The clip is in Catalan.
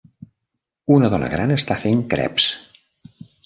Una dona gran està fent creps.